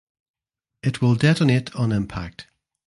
It will detonate on impact.